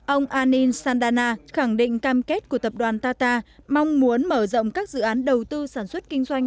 ông ann sandana khẳng định cam kết của tập đoàn tata mong muốn mở rộng các dự án đầu tư sản xuất kinh doanh